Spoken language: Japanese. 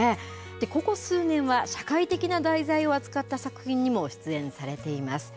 ここ数年は社会的な題材を扱った作品にも出演されています。